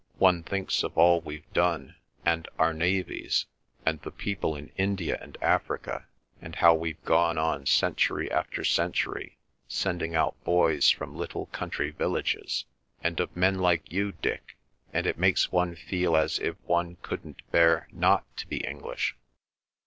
One thinks of all we've done, and our navies, and the people in India and Africa, and how we've gone on century after century, sending out boys from little country villages—and of men like you, Dick, and it makes one feel as if one couldn't bear not to be English!